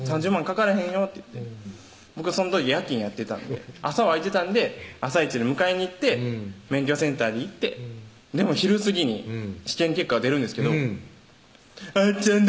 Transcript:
かからへんよ」って言って僕その時夜勤やってたんで朝は空いてたんで朝イチで迎えに行って免許センターに行って昼過ぎに試験結果が出るんですけど「あっちゃん